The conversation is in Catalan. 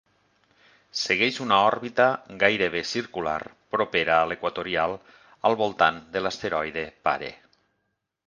Segueix una òrbita gairebé circular propera a l'equatorial al voltant de l'asteroide pare.